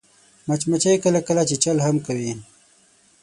مچمچۍ کله کله چیچل هم کوي